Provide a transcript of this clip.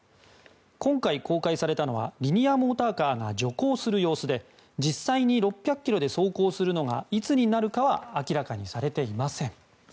今回公開されたのはリニアモーターカーが徐行する様子で実際に６００ｋｍで走行するのがいつになるかは明らかにされていません。